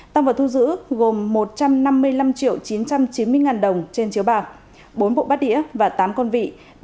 tăng vật thu giữ gồm một trăm năm mươi năm triệu chín trăm chín mươi ngàn đồng trên chiếu bạc bốn bộ bát đĩa và tám con vị